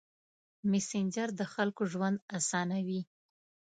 مسېنجر د خلکو ژوند اسانوي.